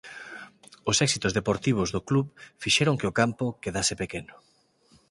Os éxitos deportivos do club fixeron que o campo quedase pequeno.